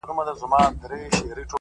• هسي بیا نه راځو؛ اوس لا خُمار باسه؛